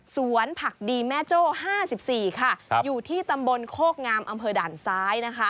ผักดีแม่โจ้๕๔ค่ะอยู่ที่ตำบลโคกงามอำเภอด่านซ้ายนะคะ